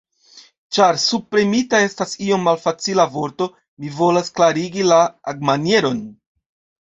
Ĉar 'subpremita' estas iom malfacila vorto, mi volas klarigi la agmanieron.